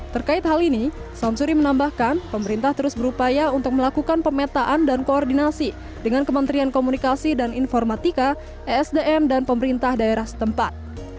terkait hal ini samsuri menambahkan pemerintah terus berupaya untuk melakukan pemetaan dan koordinasi dengan kementerian komunikasi dan informatika esdm dan pemerintah daerah setempat